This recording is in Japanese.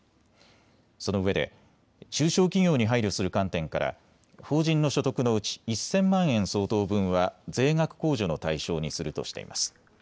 そのうえで中小企業に配慮する観点から法人の所得のうち１０００万円相当分は税額控除の対象にするとしています。